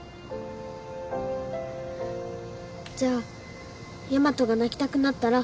じゃあヤマトが泣きたくなったら